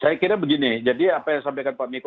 saya kira begini jadi apa yang disampaikan pak miko